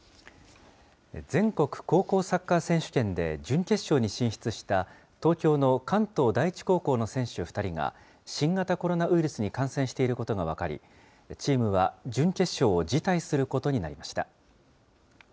全国高校サッカー選手権で、準決勝に進出した、東京の関東第一高校の選手２人が、新型コロナウイルスに感染していることが分かり、チームは準決勝を辞退することになりました。